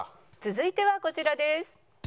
続いてはこちらです。